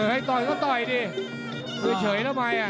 ให้ต่อยก็ต่อยดิเฉยแล้วมาย